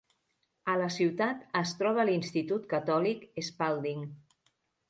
A la ciutat es troba l'Institut Catòlic Spalding.